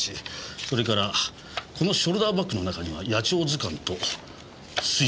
それからこのショルダーバッグの中には野鳥図鑑と水筒。